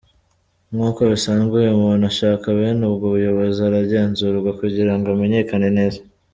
Nkuko bisanzwe iyo umuntu ashaka bene ubwo buyobozi aragenzurwa kugirango amenyekane neza.